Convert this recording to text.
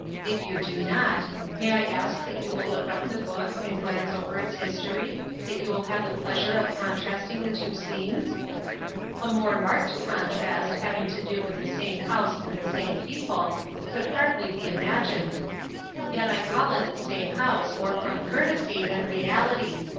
If you do not, may I ask that you will look up the book and glance over its history, that you may have the pleasure of contrasting the two scenes ? A more marked contrast, having to do with the same house and the same people, could hardly be imagined. Yet I call it the same house more from courtesy than reality.